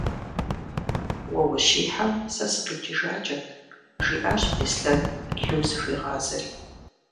- Уэ ущихьэм, сэ сыкъикӏыжакӏэт, - жиӏащ Беслъэн Лу зыхуигъазэри.